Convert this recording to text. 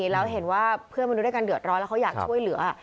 แล้วเห็นว่าเพื่อนมนุษย์กันเดือดร้อนแล้วเขาอยากช่วยเหลือ